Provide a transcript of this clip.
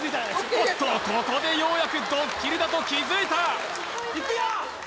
おっとここでようやくドッキリだと気づいたいくよ！